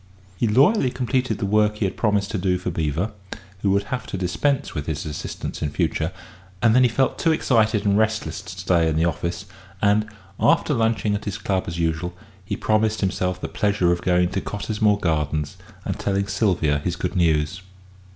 He loyally completed the work he had promised to do for Beevor, who would have to dispense with his assistance in future, and then he felt too excited and restless to stay in the office, and, after lunching at his club as usual, he promised himself the pleasure of going to Cottesmore Gardens and telling Sylvia his good news.